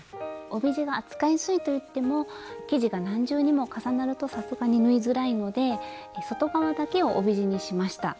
帯地が扱いやすいと言っても生地が何重にも重なるとさすがに縫いづらいので外側だけを帯地にしました。